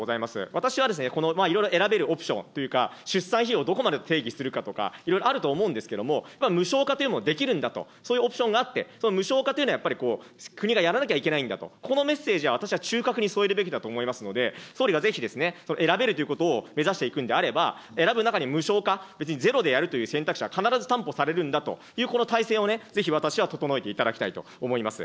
私はいろいろ選べるオプションというか、出産費用をどこまで定義するかとか、いろいろあると思うんですけれども、無償化というものはできるんだと、そういうオプションがあって、無償化というのはやっぱり国がやらなきゃいけないんだと、ここのメッセージは私は中核にそえるべきだと思いますので、総理がぜひ、選べるということを目指していくんであれば、選ぶ中に無償化、別にゼロでやるという選択肢は必ず担保されるんだという、この体制をぜひ私は整えていただきたいと思います。